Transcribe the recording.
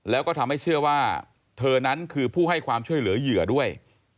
แล้วก็ทำให้เชื่อว่าเธอนั้นคือผู้ให้ความช่วยเหลือเหยื่อด้วย